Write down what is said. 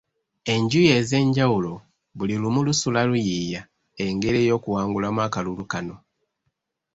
Enjuyi ez'enjawulo buli lumu lusula luyiiya engeri ey'okuwangulamu akalulu kano.